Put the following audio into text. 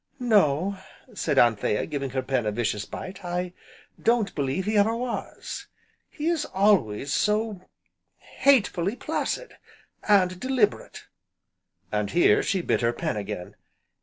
"No," said Anthea, giving her pen a vicious bite, "I don't believe he ever was; he is always so hatefully placid, and deliberate!" and here, she bit her pen again.